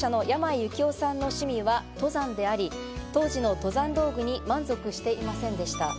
創業者の山井幸雄さんの趣味は登山であり、当時の登山道具に満足していませんでした。